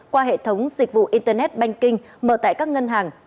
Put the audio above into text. qua hệ thống dịch vụ internet banking mở tại các ngân hàng